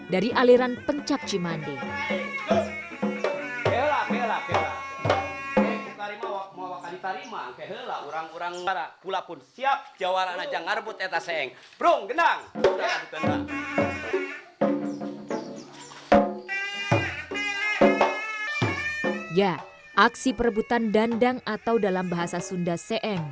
dari aliran pencak cimande